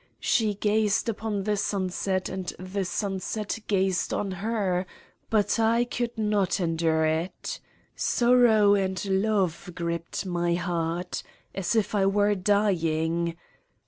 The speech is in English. She gazed upon the sunset and the sunset gazed on her, but I could not endure it : sorrow and love gripped my heart, as if I were dying.